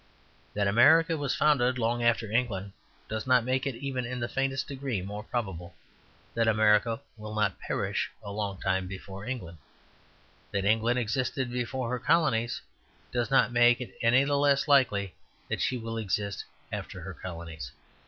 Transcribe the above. That America was founded long after England does not make it even in the faintest degree more probable that America will not perish a long time before England. That England existed before her colonies does not make it any the less likely that she will exist after her colonies.